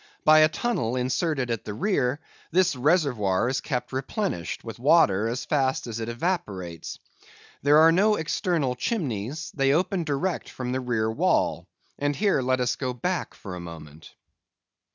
By a tunnel inserted at the rear, this reservoir is kept replenished with water as fast as it evaporates. There are no external chimneys; they open direct from the rear wall. And here let us go back for a moment.